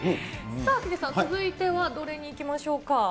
さあ、ヒデさん、続いてはどれにいきましょうか。